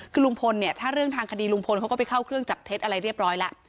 คือลุงพลเนี่ยถ้าเรื่องทางคดีลุงพลเขาก็ไปเข้าเครื่องจับเท็จอะไรเรียบร้อยแล้ว